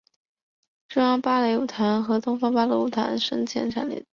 中央芭蕾舞团和东方歌舞团的前身都诞生在此。